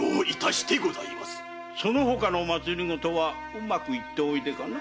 その他の政はうまくいっておいでかな？